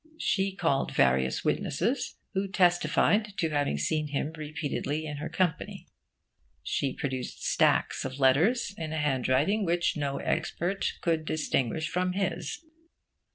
She called various witnesses, who testified to having seen him repeatedly in her company. She produced stacks of letters in a handwriting which no expert could distinguish from his.